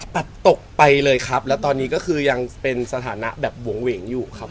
ตัดตกไปเลยครับแล้วตอนนี้ก็คือยังเป็นสถานะแบบหวงเหวงอยู่ครับ